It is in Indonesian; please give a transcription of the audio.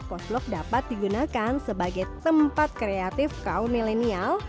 post blok dapat digunakan sebagai tempat kreatif kaum milenial